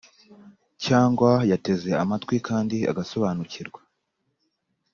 cyangwa yateze amatwi kandi agasobanukirwa.